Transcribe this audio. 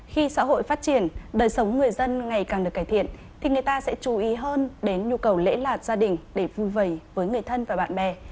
kì xã hội phát triển đời sống người dân ngày càng được cải thiện thì người ta sẽchú ý hơn đến nhu cầu lễ lạc gia đình để vùi vẩy với người thân và bạn bè